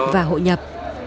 và hội nhập